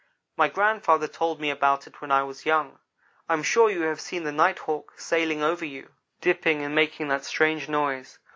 My grandfather told me about it when I was young. I am sure you have seen the Night hawk sailing over you, dipping and making that strange noise.